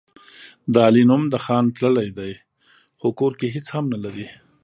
د علي نوم د خان تللی دی، خو کور کې هېڅ هم نه لري.